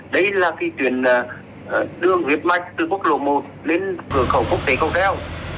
đây là khi tuyển đường huyết mạch từ quốc lộ một lên cửa khẩu quốc tế công kheo